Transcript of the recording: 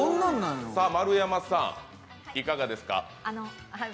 丸山さん、いかがですか？